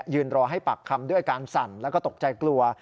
รอให้ปากคำด้วยการสั่นแล้วก็ตกใจกลัว